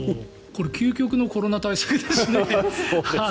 これ究極のコロナ対策だしね。